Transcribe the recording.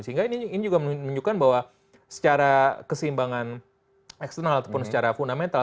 sehingga ini juga menunjukkan bahwa secara keseimbangan eksternal ataupun secara fundamental